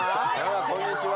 わこんにちは。